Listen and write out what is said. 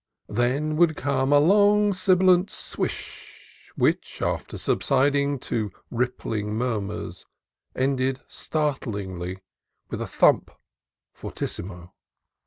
Then would come a long, sibilant swish, which, after subsiding to rippling murmurs, ended startlingly with a thump, fortissimo.